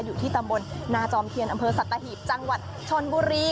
อยู่ที่ตำบลนาจอมเทียนอำเภอสัตหีบจังหวัดชนบุรี